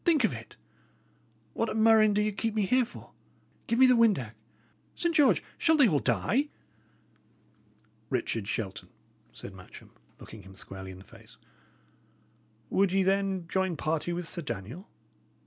"Think of it! What a murrain do ye keep me here for? Give me the windac. Saint George! shall they all die?" "Richard Shelton," said Matcham, looking him squarely in the face, "would ye, then, join party with Sir Daniel?